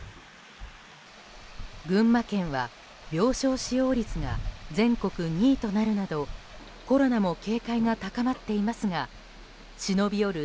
群馬県は、病床使用率が全国２位となるなどコロナも警戒が高まっていますが忍び寄る